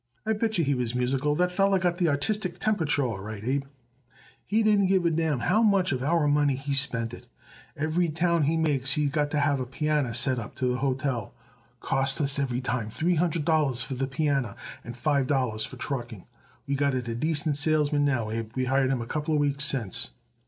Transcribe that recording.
"I bet yer he was musical. That feller got the artistic temperature all right, Abe. He didn't give a damn how much of our money he spent it. Every town he makes he got to have a pianner sent up to the hotel. Costs us every time three dollars for the pianner and five dollars for trucking. We got it a decent salesman now, Abe. We hired him a couple of weeks since."